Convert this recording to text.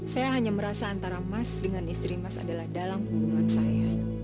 saya hanya merasa antara mas dengan istri mas adalah dalam pembunuhan saya